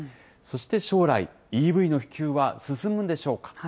そして将来、ＥＶの普及は進むんでしょうか。